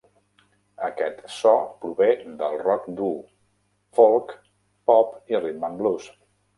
Aquest so prové del rock dur, folk, pop i rhythm-and-blues.